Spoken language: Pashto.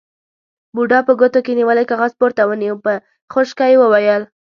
بوډا په ګوتو کې نيولی کاغذ پورته ونيو، په خشکه يې وويل: